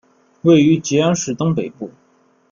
位于吉安市东北部。